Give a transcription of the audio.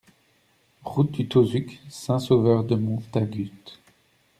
Route de Tauzuc, Saint-Sauveur-de-Montagut